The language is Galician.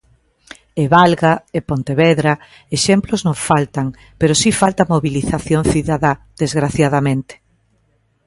E Valga, e Pontevedra... exemplos non faltan, pero si falta mobilización cidadá... desgraciadamente.